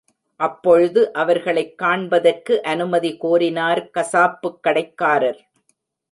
அப்பொழுது அவர்களைக் காண்பதற்கு அனுமதி கோரினார் கசாப்புக் கடைக்காரர்.